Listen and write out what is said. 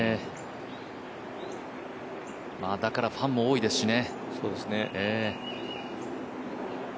だからファンも多いですしね。